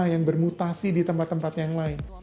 yang bermutasi di tempat tempat yang lain